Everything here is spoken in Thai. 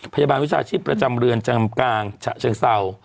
พยาบาลวิชาชีพประจำเรือนจำกลางฉะเชิงเศร้า